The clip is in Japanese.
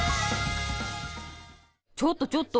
ちょっとちょっと！